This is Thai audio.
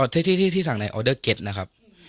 ที่สั่งในออเดอร์เก็ตนะครับ